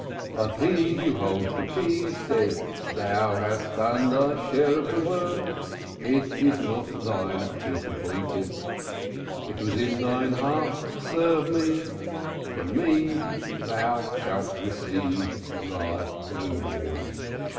But He who holds the keys said: 'Thou hast done thy share of the work; it is not thine to complete it. It was in thy heart to serve Me, from Me thou shalt receive thy reward.'"